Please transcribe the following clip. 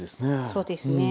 そうですね。